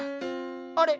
あれ？